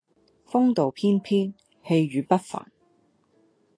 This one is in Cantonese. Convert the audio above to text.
風度翩翩、氣宇不凡